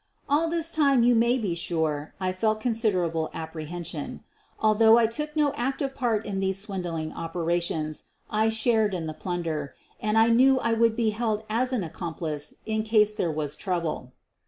All this time you may be sure I felt considerable apprehension. Although I took no active part in these swindling operations, I shared in the plunder, and knew I would be held as an accomplice in case there was trouble.